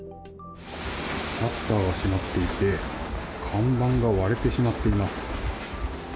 シャッターが閉まっていて、看板が割れてしまっています。